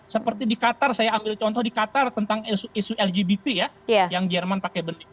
seperti di qatar saya ambil contoh di qatar tentang isu lgbt ya yang jerman pakai benih